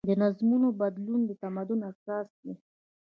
د نظمونو بدلون د تمدن اساس دی.